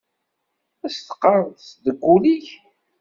Ad s-teqqareḍ deg ul-ik.